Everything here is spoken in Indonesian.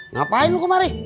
ngapain lo kemari